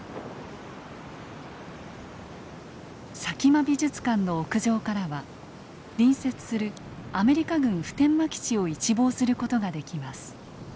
佐喜眞美術館の屋上からは隣接するアメリカ軍普天間基地を一望する事ができます。